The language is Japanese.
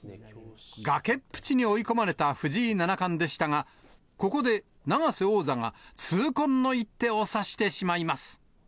崖っぷちに追い込まれた藤井七冠でしたが、ここで永瀬王座が痛恨の一手を指してしまいます。